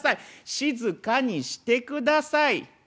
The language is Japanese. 静かにしてください。